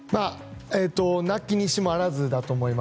無きにしも非ずだと思います。